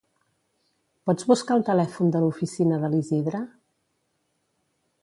Pots buscar el telèfon de l'oficina de l'Isidre?